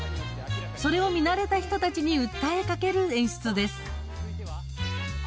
それを見慣れた人たちに訴えかける演出です。